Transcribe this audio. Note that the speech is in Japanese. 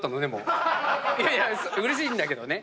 いやいやうれしいんだけどね。